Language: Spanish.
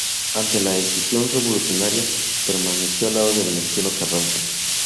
Ante la escisión revolucionaria permaneció al lado de Venustiano Carranza.